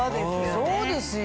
そうですよ。